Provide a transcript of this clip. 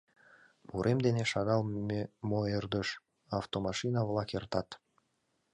Урем дене шагал мо ӧрдыж автомашина-влак эртат.